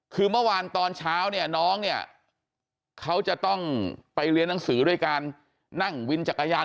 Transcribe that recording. คือเมื่อวานตอนเช้าเนี่ยน้องเนี่ยเขาจะต้องไปเรียนหนังสือด้วยการนั่งวินจักรยาน